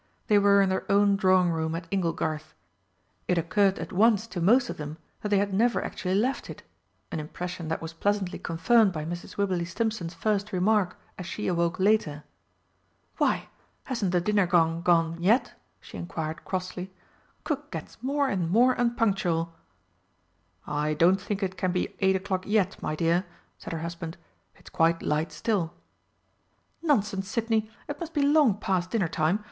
They were in their own drawing room at "Inglegarth." It occurred at once to most of them that they had never actually left it an impression that was pleasantly confirmed by Mrs. Wibberley Stimpson's first remark as she awoke later. "Why, hasn't the dinner gong gone yet?" she inquired crossly. "Cook gets more and more unpunctual!" "I don't think it can be eight o'clock yet, my dear," said her husband, "it's quite light still." "Nonsense, Sidney, it must be long past dinner time!